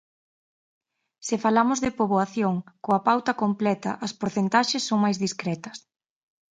Se falamos de poboación coa pauta completa as porcentaxes son máis discretas.